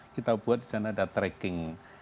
kita buat disana ada tracking